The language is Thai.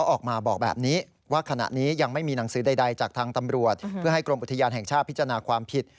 ออกมาบอกแบบนี้ว่าขณะนี้ยังไม่มีหนังสือใดจากทางตำรวจเพื่อให้กรมอุทยานแห่งชาติพิจารณาความผิด